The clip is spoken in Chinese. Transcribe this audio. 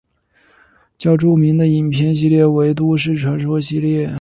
较著名的影片系列为都市传说系列。